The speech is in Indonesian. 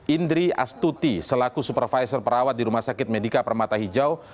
indri astuti selaku supervisor perawat di rumah sakit medika permata hijau